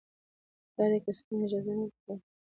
پلار یې که څه هم اجازه نه ورکوله خو هغه یې راضي کړ